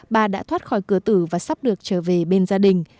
bà đã thoát khỏi cửa tử và sắp được trở về bên gia đình